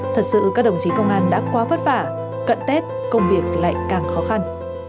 thật sự các đồng chí công an đã quá vất vả cận tết công việc lại càng khó khăn